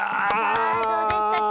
さあどうでしたか？